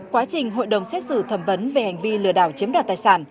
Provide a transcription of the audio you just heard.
quá trình hội đồng xét xử thẩm vấn về hành vi lừa đảo chiếm đoạt tài sản